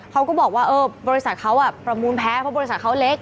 เขาก็บอกว่าบริษัทเขาประมูลแพ้เพราะบริษัทเขาเล็ก